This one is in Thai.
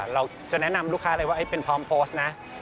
เราจะแนะนำลูกค้าเลยว่าเป็นพร้อมโพสต์นะ